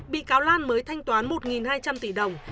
bị cáo lan mới thanh toán một hai trăm linh tỷ đồng